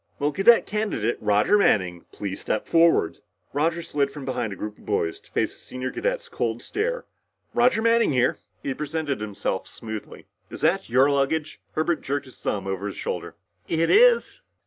"Will Cadet Candidate Roger Manning please step forward?" Roger slid from behind a group of boys to face the senior cadet's cold stare. "Roger Manning here," he presented himself smoothly. "Is that your luggage?" Herbert jerked his thumb over his shoulder. "It is."